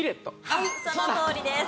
はいそのとおりです。